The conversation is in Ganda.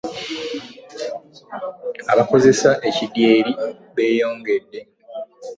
Abakozesa ekidyeri beeyongedde.